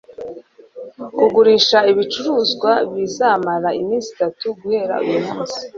Kugurisha ibicuruzwa bizamara iminsi itatu guhera uyu munsi